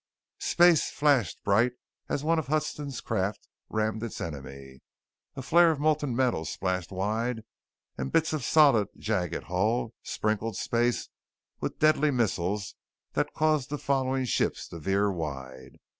Space flashed bright as one of Huston's craft rammed its enemy. A flare of molten metal splashed wide and bits of solid, jagged hull sprinkled space with deadly missiles that caused the following ships to veer wide.